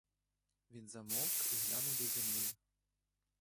Він замовк і глянув до землі.